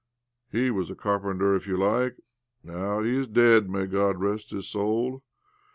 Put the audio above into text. He was a carpenter, if you like ! Now he is dead, may God rest his soul